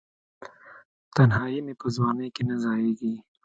تنهایې مې په ځوانۍ کې نه ځائیږې